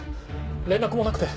連絡もなくて。